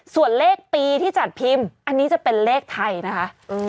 ส่วนเลขปีที่จัดพิมพ์อันนี้จะเป็นเลขไทยนะคะ